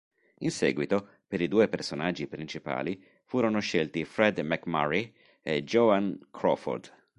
In seguito, per i due personaggi principali furono scelti Fred MacMurray e Joan Crawford.